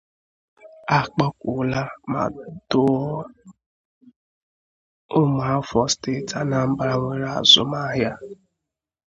a kpọkuola ma dụọ ụmụafọ steeti Anambra nwere azụmahịa